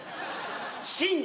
新！